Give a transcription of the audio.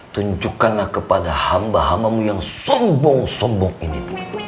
tunjukkanlah kepada hamba hambamu yang sombong sombong ini